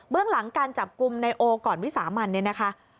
เรื่องหลังการจับกลุ่มนายโอก่อนวิสามันเนี่ยนะคะ